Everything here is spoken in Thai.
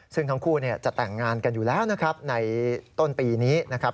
ซึ่งทั้งคู่จะแต่งงานกันอยู่แล้วนะครับในต้นปีนี้นะครับ